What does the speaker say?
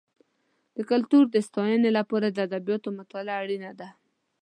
د کلتور د ساتنې لپاره د ادبیاتو مطالعه اړینه ده.